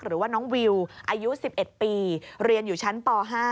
หรือว่าน้องวิวอายุ๑๑ปีเรียนอยู่ชั้นป๕